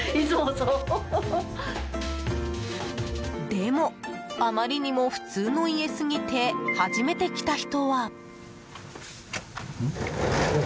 でも、あまりにも普通の家すぎて初めて来た人は。